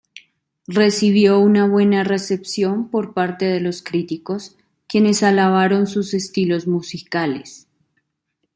Recibió una buena recepción por parte de los críticos, quienes alabaron sus estilos musicales.